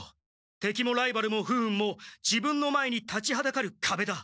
てきもライバルも不運も自分の前に立ちはだかるかべだ。